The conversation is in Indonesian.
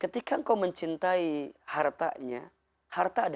ketika kau mencintai karena pangkat jabatannya